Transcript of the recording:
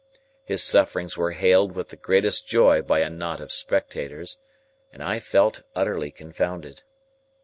His sufferings were hailed with the greatest joy by a knot of spectators, and I felt utterly confounded.